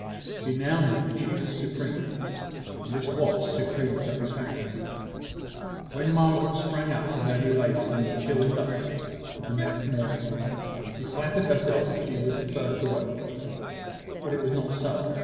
She now knew that she was supreme; and this was supreme satisfaction. When Margaret sprang up to her new labours in the chill dusk of the next morning, she flattered herself that she was the first awake; but it was not so.